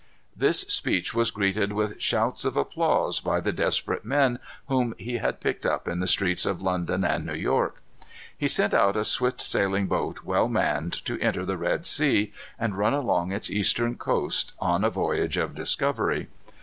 This speech was greeted with shouts of applause by the desperate men whom he had picked up in the streets of London and New York. He sent out a swift sailing boat well manned to enter the Red Sea, and run along its eastern coast on a voyage of discovery.